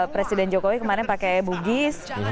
presiden jokowi kemarin pakai bugis